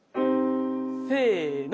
せの。